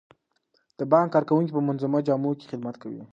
د بانک کارکوونکي په منظمو جامو کې خدمت کوي.